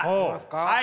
はい。